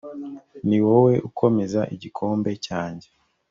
ni wowe ukomeza igikombe cyanjye